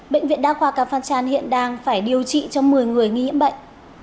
bệnh viện đa khoa kafachan hiện đang phải điều trị cho một mươi người nghi nhiễm bệnh